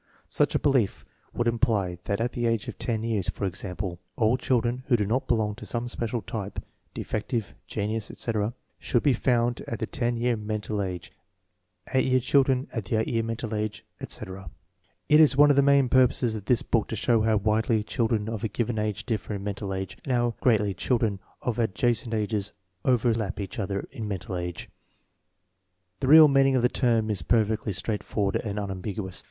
Such a belief would imply that at the age of ten years, for example, all children who do not belong to some special type (defective, genius, etc.) should be found at the ten year mental age, eight year children at the eight year mental age, etc. It is one of the PRINCIPLES OP INTELLIGENCE TESTING 7 main purposes of this book to show how widely chil dren of a given age differ in mental age, and how greatly children of adjacent ages overlap each other in mental age. The real meaning of the term is perfectly straight forward and unambiguous.